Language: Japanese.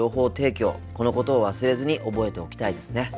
このことを忘れずに覚えておきたいですね。